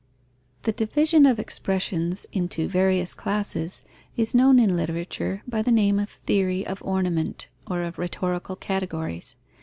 _ The division of expressions into various classes is known in literature by the name of theory of ornament or of rhetorical categories.